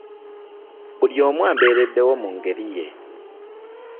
Buli omu ambeereddewo mu ngeri ye.